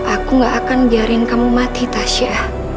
aku gak akan biarin kamu mati tasya